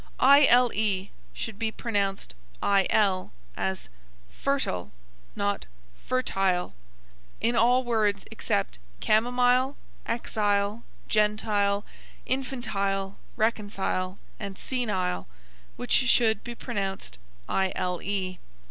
ile should be pronounced il, as fertil, not fertile, in all words except chamomile (cam), exile, gentile, infantile, reconcile, and senile, which should be pronounced ile.